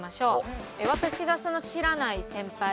私がその知らない先輩